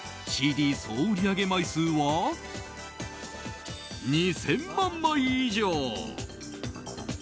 総売り上げ枚数は２０００万枚以上。